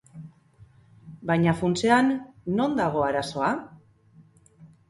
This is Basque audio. Baina funtsean, non dago arazoa?